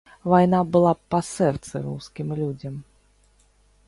Вайна была б па сэрцы рускім людзям.